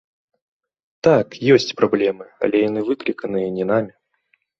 Так, ёсць праблемы, але яны выкліканыя не намі.